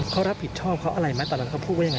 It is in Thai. เขารับผิดชอบเขาอะไรไหมตอนนั้นเขาพูดว่ายังไง